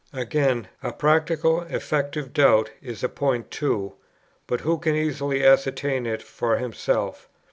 Again, a practical, effective doubt is a point too, but who can easily ascertain it for himself?